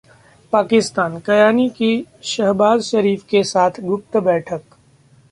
पाकिस्तान: कयानी की शहबाज शरीफ के साथ गुप्त बैठक